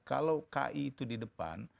kalau ki itu di depan